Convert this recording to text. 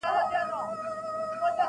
تر قیامته به یې خپل وهل په زړه وي--!